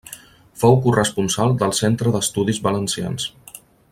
Fou corresponsal del Centre d'Estudis Valencians.